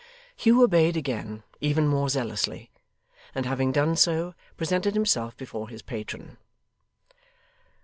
Hugh obeyed again even more zealously and having done so, presented himself before his patron.